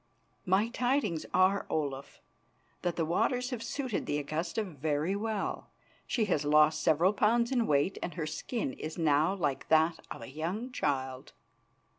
"My tidings are, Olaf, that the waters have suited the Augusta very well. She has lost several pounds in weight and her skin is now like that of a young child."